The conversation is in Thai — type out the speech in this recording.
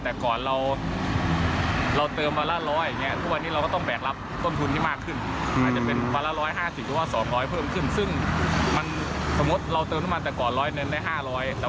แต่ว่าตอนนี้เราต้องเติม๒๐๐เพื่อที่จะได้๕๐๐เหมือนเดิมนะครับ